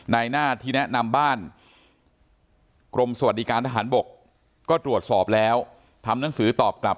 นายหน้าที่แนะนำบ้านกรมสวัสดิการทหารบกก็ตรวจสอบแล้วทำหนังสือตอบกลับ